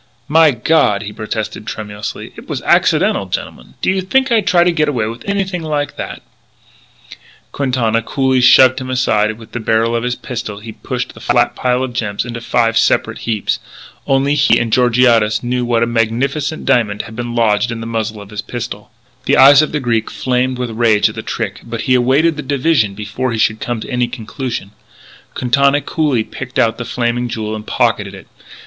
"My God," he protested tremulously, "it was accidental, gentlemen. Do you think I'd try to get away with anything like that " Quintana coolly shoved him aside and with the barrel of his pistol he pushed the flat pile of gems into five separate heaps. Only he and Georgiades knew that a magnificent diamond had been lodged in the muzzle of his pistol. The eyes of the Greek flamed with rage at the trick, but he awaited the division before he should come to any conclusion. Quintana coolly picked out The Flaming Jewel and pocketed it.